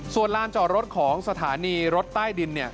ส่วนลานจอดรถของสถานีรถใต้ดิน